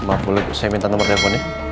maaf boleh gue minta nomer teleponnya